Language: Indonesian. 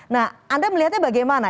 nah anda melihatnya bagaimana